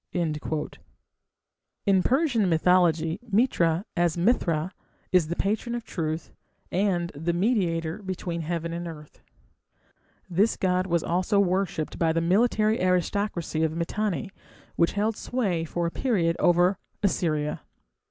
" In Persian mythology Mitra, as Mithra, is the patron of Truth, and "the Mediator" between heaven and earth. This god was also worshipped by the military aristocracy of Mitanni, which held sway for a period over Assyria.